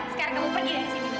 sekarang kamu pergi dari sini